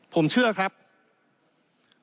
ผมเชื่อครับว่าตัวท่านเองหรือผู้สาปสัญญาการเมืองของท่านนั้น